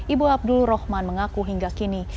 ibu abdul rohman mengaku hingga kini